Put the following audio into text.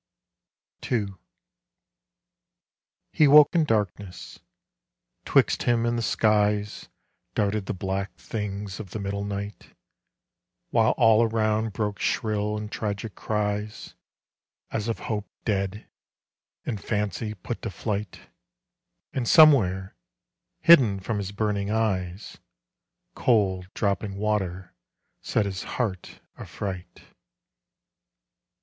He woke in darkness. 'Twixt him ami the Darted the blai k things of the middle night W'lule all around hroke shrill and tragic cries As of hope dead, and fancy jnit to flight And somewhere, hidden from Ins burning eyes, Cold dropping watei set Ins heart afright.